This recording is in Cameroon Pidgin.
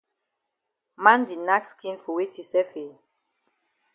Man di nack skin for weti sef eh?